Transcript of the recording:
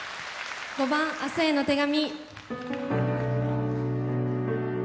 ５番「明日への手紙」。